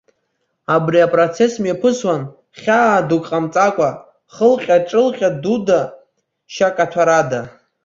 Абри апроцесс мҩаԥысуан хьаа дук ҟамҵакәа, хылҟьа-ҿылҟьа дуда, шьакаҭәарада.